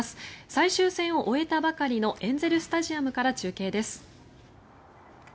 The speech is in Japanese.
最終戦を終えたばかりのエンゼル・スタジアムから中継です。